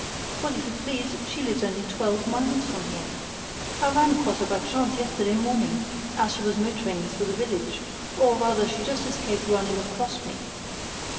Well, if you please, she lives only twelve miles from here. I ran across her by chance yesterday morning as she was motoring through the village; or, rather, she just escaped running across me.